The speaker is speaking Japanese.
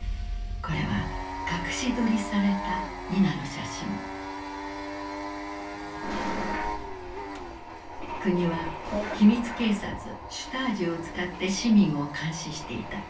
これは国は秘密警察シュタージを使って市民を監視していた。